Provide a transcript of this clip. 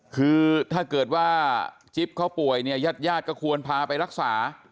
คือถ้าเกิดว่าจิ๊บเขาป่วยเนี่ยญาติญาติก็ควรพาไปรักษา